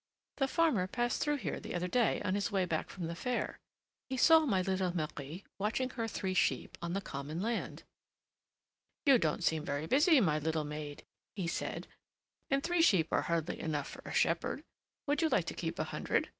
The farmer passed through here the other day on his way back from the fair. He saw my little Marie watching her three sheep on the common land. 'You don't seem very busy, my little maid,' he said; 'and three sheep are hardly enough for a shepherd. Would you like to keep a hundred?